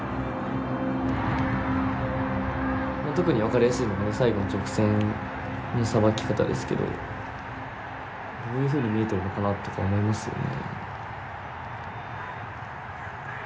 特に分かりやすいのは最後の直線のさばき方ですけどどういうふうに見えてるのかなとか思いますよね。